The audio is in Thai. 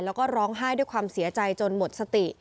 แล้วก็ร้องไห้ด้วยความเสียใจจนหมดสติ